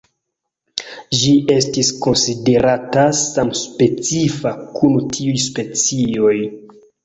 Ĝi estis konsiderata samspecifa kun tiuj specioj.